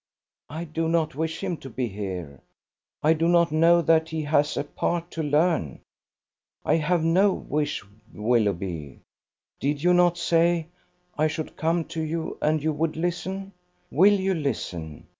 "I do not wish him to be here. I do not know that he has a part to learn. I have no wish. Willoughby, did you not say I should come to you and you would listen? will you listen?